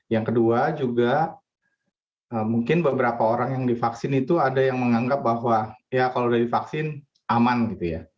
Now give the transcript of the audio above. yang kedua juga mungkin beberapa orang yang divaksin itu ada yang menganggap bahwa ya kalau sudah divaksin aman gitu ya